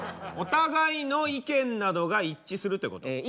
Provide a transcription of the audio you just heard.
「お互いの意見などが一致する」ってこと。